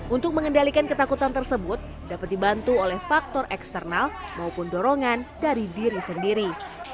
untuk mengendalikan ketakutan tersebut dapat dibantu oleh faktor eksternal maupun dorongan dari diri sendiri